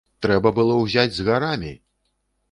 Трэба было ўзяць з гарамі!